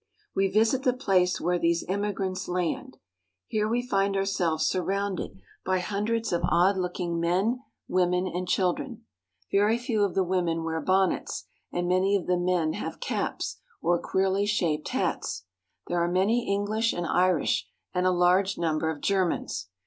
We visit the place where these immigrants land. Here we find ourselves surrounded by hundreds of odd looking STATUE OF LIBERTY. 73 ^^ ^m^^^ men, women, and children. Very few of the women wear bonnets, and many of the men have caps or queerly shaped hats. There are many EngHsh and Irish, and a large num ber of Germans.